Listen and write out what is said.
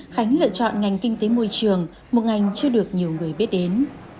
khánh lựa chọn ngành kinh tế môi trường một ngành chưa được nhiều người biết đến